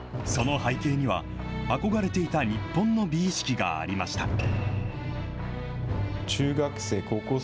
その背景には、憧れていた日本の美意識がありました。